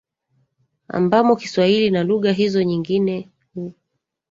ambamo Kiswahili na lugha hizo nyingine hu